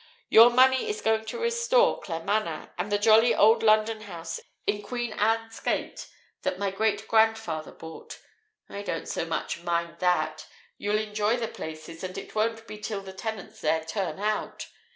Your money is going to restore Claremanagh, and the jolly old London house in Queen Anne's gate that my great grandfather bought. I don't so much mind that. You'll enjoy the places. And it won't be till the tenants there turn out.